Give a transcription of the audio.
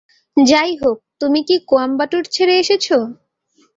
যাইহোক, তুমি কি কোয়েম্বাটুর ছেড়ে এসেছ?